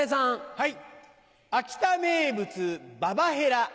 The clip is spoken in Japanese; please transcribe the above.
はい。